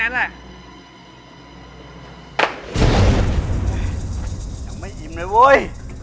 ยังไม่อิ่มเลยเว้ย